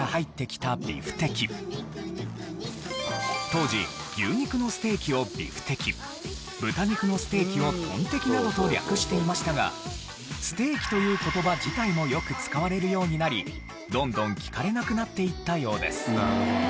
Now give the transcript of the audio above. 当時牛肉のステーキをビフテキ豚肉のステーキをトンテキなどと略していましたが「ステーキ」という言葉自体もよく使われるようになりどんどん聞かれなくなっていったようです。